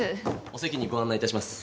お席にご案内いたします。